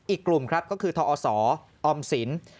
อีกกลุ่มครับก็คือทอศออมสิน